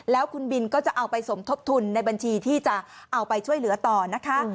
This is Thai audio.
แล้วคุณบินก็จะเอาไปสมทบทุนในบัญชีที่จะเอาไปช่วยเหลือต่อนะคะ